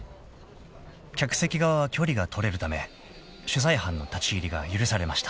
［客席側は距離が取れるため取材班の立ち入りが許されました］